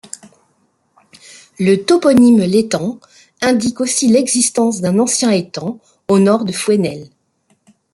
Le toponyme l'Étang indique aussi l'existence d'un ancien étang au nord de Fouesnel.